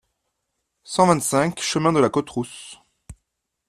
cent vingt-cinq chemin de la Côte Rousse